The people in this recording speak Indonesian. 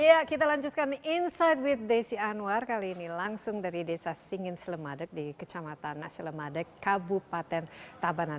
ya kita lanjutkan insight with desi anwar kali ini langsung dari desa singin selemadeg di kecamatan selemade kabupaten tabanan